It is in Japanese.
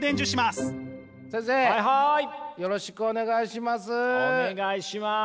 よろしくお願いします。